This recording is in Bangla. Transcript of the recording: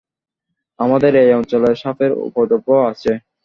আমাদের এই অঞ্চলে সাপের উপদ্রব আছে।